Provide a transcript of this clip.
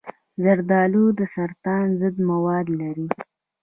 زردآلو د سرطان ضد مواد لري.